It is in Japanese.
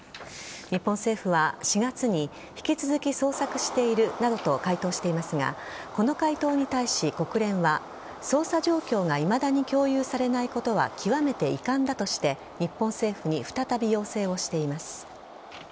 日本政府は４月に引き続き捜索しているなどと回答していますがこの回答に対し、国連は捜査状況がいまだに共有されないことは極めて遺憾だとして日本政府に再び要請をしています。